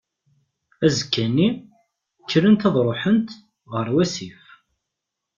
Azekka-nni, krent ad ruḥent, ɣer wasif.